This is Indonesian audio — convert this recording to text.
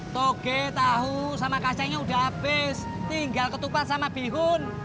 toge tahu sama kacangnya udah habis tinggal ketupat sama bihun